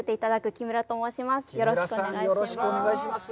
木村さん、よろしくお願いします。